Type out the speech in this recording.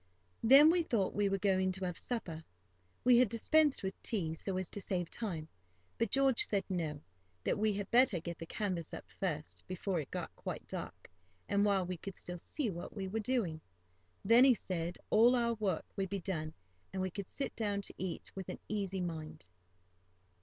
Then we thought we were going to have supper (we had dispensed with tea, so as to save time), but George said no; that we had better get the canvas up first, before it got quite dark, and while we could see what we were doing. Then, he said, all our work would be done, and we could sit down to eat with an easy mind.